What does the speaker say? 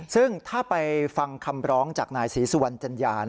ซึ่งถ้าไปฟังคำร้องจากนายศรีสุวรรณจัญญา